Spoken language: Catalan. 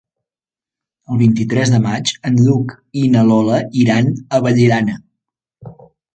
El vint-i-tres de maig en Lluc i na Lola iran a Vallirana.